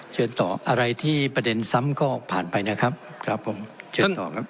เชิญต่ออะไรที่ประเด็นซ้ำก็ผ่านไปนะครับครับผมเชิญต่อครับ